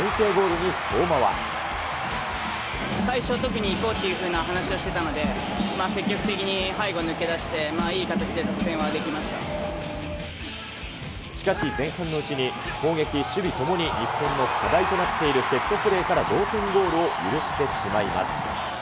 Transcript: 最初、特にいこうっていうふうな話をしていたので、積極的に背後に抜け出して、しかし前半のうちに、攻撃、守備ともに日本の課題となっているセットプレーから同点ゴールを許してしまいます。